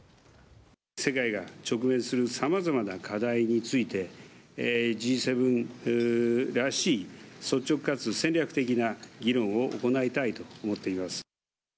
世界が直面するさまざまな課題について、Ｇ７らしい率直かつ戦略的な議論を行いたいと思っています。